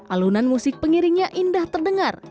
alunan musik pengiringnya indah terdengar